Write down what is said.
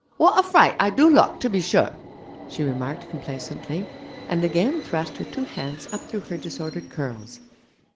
'What a fright I do look, to be sure!' she remarked complacently, and again thrust her two hands up through her disordered curls.